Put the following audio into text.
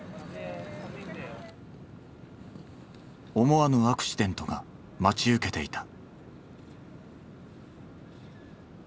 思わぬアクシデントが待ち受けていた。